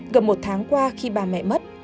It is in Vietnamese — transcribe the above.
gần một tháng qua khi ba mẹ mất